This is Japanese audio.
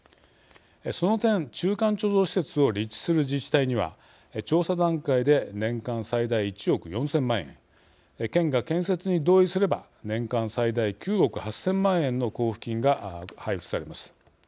その点、中間貯蔵施設を立地する自治体には調査段階で年間最大１億４０００万円県が建設に同意すれば年間最大９億８０００万円の交付金が配布されます。